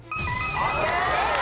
正解！